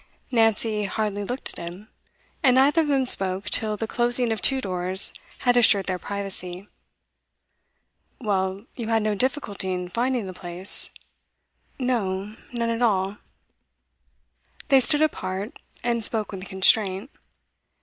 Nancy hardly looked at him, and neither of them spoke till the closing of two doors had assured their privacy. 'Well, you had no difficulty in finding the place?' 'No none at all.' They stood apart, and spoke with constraint.